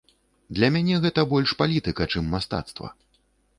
Для мяне гэта больш палітыка, чым мастацтва.